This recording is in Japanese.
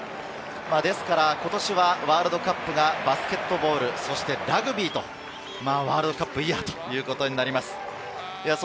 ですから今年はワールドカップがバスケットボール、ラグビーとワールドカップイヤーということになります。